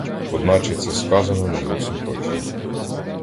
Одначе це сказано не зовсім точно.